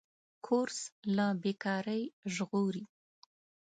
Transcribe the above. کورس له بېکارۍ ژغوري.